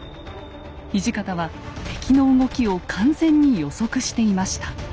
土方は敵の動きを完全に予測していました。